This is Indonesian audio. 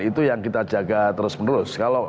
itu yang kita jaga terus menerus